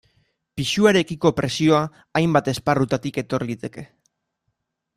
Pisuarekiko presioa hainbat esparrutatik etor liteke.